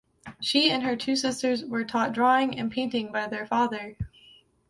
She and her two sisters were taught drawing and painting by their father.